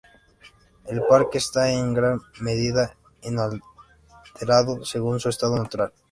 El parque está en gran medida inalterado según su estado natural.